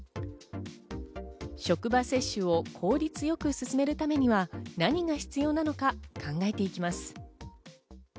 職場接種を効率よく進めるためには何が必要なのか考えていきます。